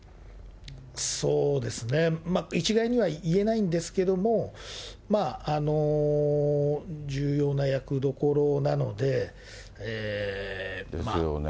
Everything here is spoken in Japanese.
そうですね、一概には言えないんですけれども、まあ、重要な役どころなので、。ですよね。